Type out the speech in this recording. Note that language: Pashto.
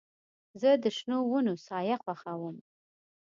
زه د شنو ونو سایه خوښوم.